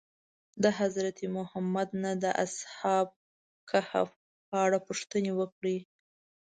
د حضرت محمد نه د اصحاب کهف په اړه پوښتنه وکړئ.